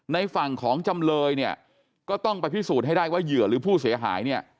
ในฝั่งของจำเลยเนี่ยก็ต้องไปพิสูจน์ให้ได้ว่าเหยื่อหรือผู้เสียหายเนี่ย